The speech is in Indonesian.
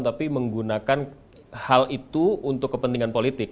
tapi menggunakan hal itu untuk kepentingan politik